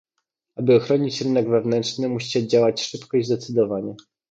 Aby ochronić rynek wewnętrzny musicie działać szybko i zdecydowanie